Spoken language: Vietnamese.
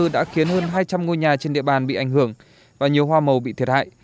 đã khiến hơn hai trăm linh ngôi nhà trên địa bàn bị ảnh hưởng và nhiều hoa màu bị thiệt hại